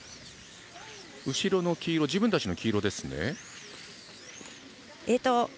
後ろの黄色自分たちの黄色ですね。